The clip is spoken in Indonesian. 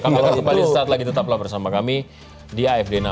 kami akan kembali sesaat lagi tetaplah bersama kami di afd now